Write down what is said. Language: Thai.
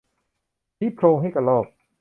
ชี้โพรงให้กระรอก